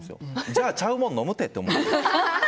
じゃあちゃうもん飲むてって思って。